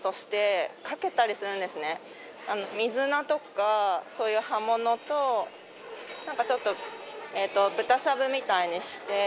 水菜とかそういう葉物となんかちょっと豚しゃぶみたいにして。